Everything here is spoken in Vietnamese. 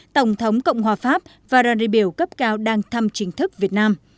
tổng thống cộng hòa pháp và đoàn đại biểu cấp cao đang thăm chính thức việt nam